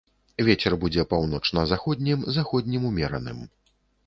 Вецер будзе паўночна-заходнім, заходнім ўмераным.